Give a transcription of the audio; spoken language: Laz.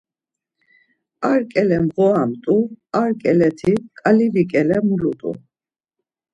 Ar ǩele mğoramt̆u, ar ǩeleti ǩalivi ǩele mulut̆u.